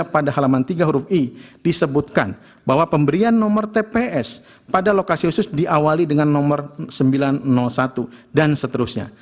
pada halaman tiga huruf i disebutkan bahwa pemberian nomor tps pada lokasi khusus diawali dengan nomor sembilan ratus satu dan seterusnya